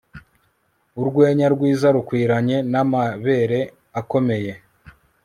Urwenya rwiza rukwiranye namabere akomeye